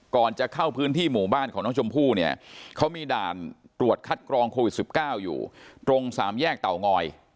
ก่อนจะเข้าพื้นที่หมู่บ้านของน้องชมพู่เนี่ยเขามีด่านตรวจคัดกรองโควิด๑๙อยู่ตรงสามแยกเตางอย